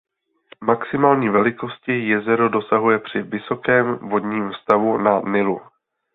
Maximální velikosti jezero dosahuje při vysokém vodním stavu na "Nilu".